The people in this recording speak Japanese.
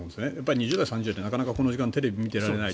２０代３０代ってこの時間にテレビを見ていられない。